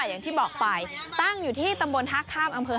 อย่างที่บอกไปตั้งอยู่ที่ตำบนทะค่ามองค์เภอหาดใหญ่